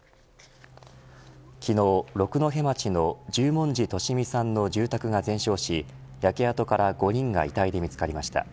昨日、六戸町の十文字利美さんの住宅が全焼し焼け跡から５人が遺体で見つかりました。